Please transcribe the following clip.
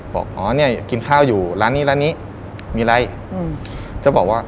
บอกอ๋อเนี่ยกินข้าวอยู่ร้านนี้ร้านนี้มีอะไรอืมก็บอกว่า